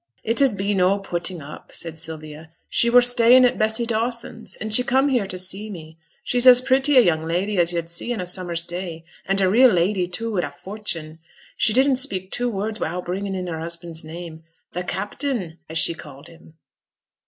'It 'ud be no "putting up,"' said Sylvia. 'She were staying at Bessy Dawson's, and she come here to see me she's as pretty a young lady as yo'd see on a summer's day; and a real lady, too, wi' a fortune. She didn't speak two words wi'out bringing in her husband's name, "the captain", as she called him.'